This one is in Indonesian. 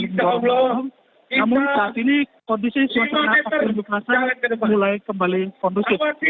namun saat ini kondisi semuanya terkena akibat unjuk rasa mulai kembali kondusif